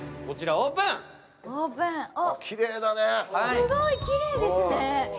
すごい、きれいですね。